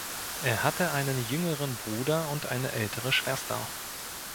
Er hatte einen jüngeren Bruder und eine ältere Schwester.